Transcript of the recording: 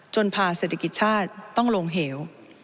พาเศรษฐกิจชาติต้องลงเหว